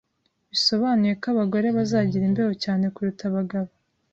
bisobanuye ko abagore bazagira imbeho cyane kuruta abagabo.